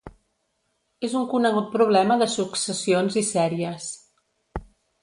És un conegut problema de successions i sèries.